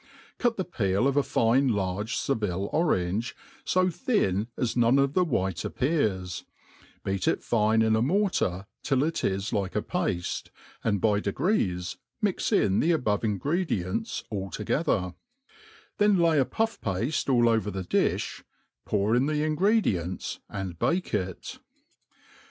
Cut the peel of a fine large Seville orange To thin as none of the white appears, beat it fine in a mortar till jt is like a pafte, and by degrees mix in the above ingredients j^ together; then lay a puff pafte all over the difh, pour in the Ingredients^ and bake it.